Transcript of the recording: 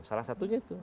salah satunya itu